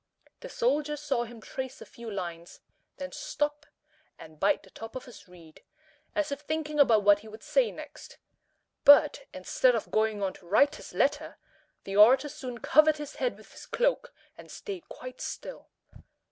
The soldiers saw him trace a few lines, then stop and bite the top of his reed, as if thinking about what he would say next. But, instead of going on to write his letter, the orator soon covered his head with his cloak and staid quite still.